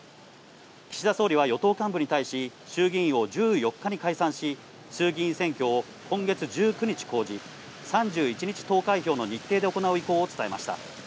岸田総理は与党幹部に対し、衆議院を１４日に解散し、衆議院選挙を今月１９日公示、３１日投開票の日程で行う意向を伝えました。